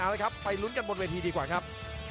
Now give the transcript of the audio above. เอาละครับไปลุ้นกันบนเวทีดีกว่าครับ